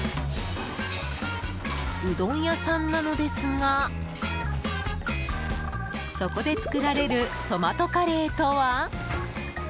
うどん屋さんなのですがそこで作られるトマトカレーとは？